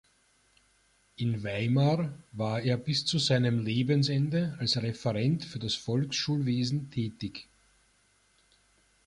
In Weimar war er bis zu seinem Lebensende als Referent für das Volksschulwesen tätig.